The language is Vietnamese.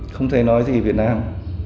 không thể nói gì việt nam